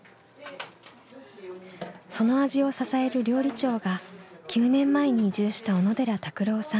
その味を支える料理長が９年前に移住した小野寺拓郎さん。